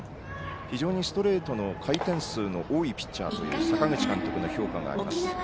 非常にストレートの回転数の多いピッチャーという阪口監督の評価があります。